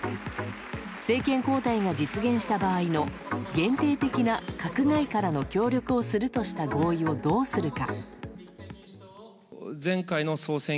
政権交代が実現した場合の限定的な閣外からの協力をするとした場合合意をどうするか。